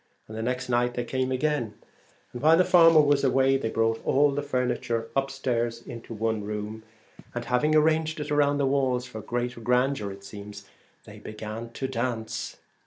The next night they came again, and while the farmer was away, brought all the furniture up stairs into one room, and having arranged it round the walls, for the greater grandeur it seems, they began to dance.